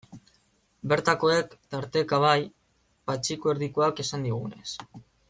Bertakoek, tarteka, bai, Patxiku Erdikoak esan digunez.